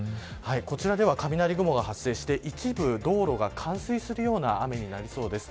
こちらでは、雷雲が発生して一部、道路が冠水するような雨になりそうです。